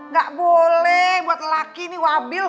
nggak boleh buat laki nih wabil